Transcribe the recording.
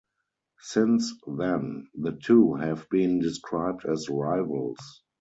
Since then, the two have been described as rivals.